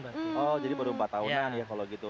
oh jadi baru empat tahunan ya kalau gitu